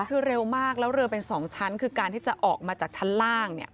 คือเร็วมากแล้วเรือเป็น๒ชั้นคือการที่จะออกมาจากชั้นล่างเนี่ย